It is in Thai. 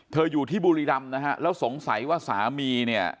อยู่ที่บุรีรำนะฮะแล้วสงสัยว่าสามีเนี่ย